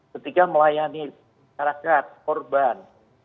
ketika melayani rakyat korban